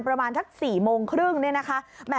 ประมาณสัก๔โมงครึ่งเนี่ยนะคะ